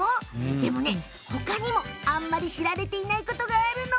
でもほかにも、あまり知られていないことがあるの。